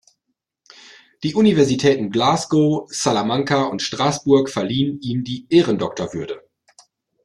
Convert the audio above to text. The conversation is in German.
Die Universitäten Glasgow, Salamanca und Straßburg verliehen ihm die Ehrendoktorwürde.